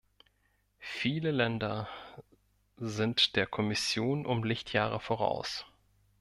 Viele Länder sind der Kommission um Lichtjahre voraus.